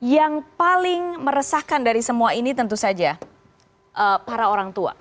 yang paling meresahkan dari semua ini tentu saja para orang tua